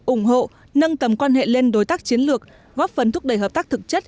ủng hộ nâng tầm quan hệ lên đối tác chiến lược góp phần thúc đẩy hợp tác thực chất